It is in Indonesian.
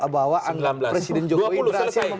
bahwa anggap presiden jokowi berhasil